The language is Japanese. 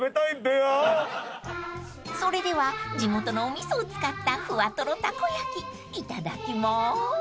［それでは地元のお味噌を使ったふわとろたこ焼きいただきます］